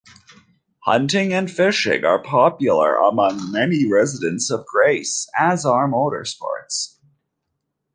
Hunting and fishing are popular among many residents of Grace, as are motorsports.